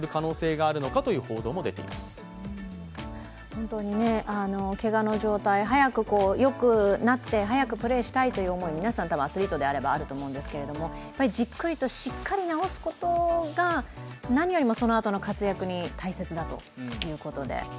本当にけがの状態、早くよくなって早くプレーしたいという思い、アスリートであれば皆さんあると思うんですが、じっくりとしっかり治すことが何よりもそのあとの活躍に大切だということで。